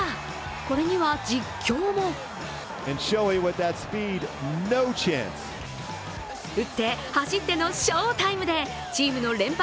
これには実況も打って走っての翔タイムでチームの連敗